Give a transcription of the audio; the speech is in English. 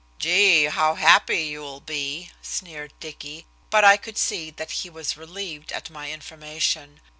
"Gee, how happy you'll be," sneered Dicky, but I could see that he was relieved at my information.